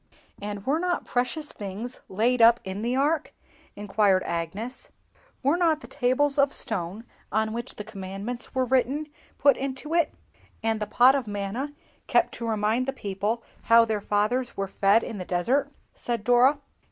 _'" "And were not precious things laid up in the Ark?" inquired Agnes. "Were not the tables of stone on which the Commandments were written put into it?" "And the Pot of Manna, kept to remind the people how their fathers were fed in the desert?" said Dora.